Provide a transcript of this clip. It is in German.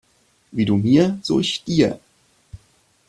Wie du mir, so ich dir.